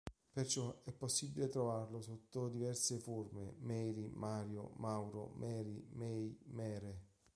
Perciò è possibile trovarlo sotto diverse forme: Maire, Mario, Mauro, Mary, May, Mere.